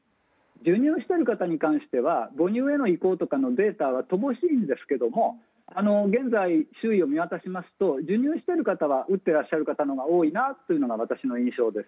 授乳している方に関しては母乳とかのデータは乏しいですが現在、周囲を見渡しますと授乳している方は打っていらっしゃる方のほうが多いなというのが私の印象です。